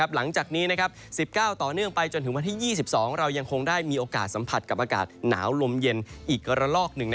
หลังจากนี้๑๙ต่อเนื่องไปจนถึงวันที่๒๒เรายังคงได้มีโอกาสสัมผัสกับอากาศหนาวลมเย็นอีกระลอกหนึ่ง